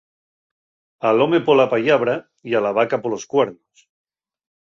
Al home pola pallabra y a la vaca polos cuernos.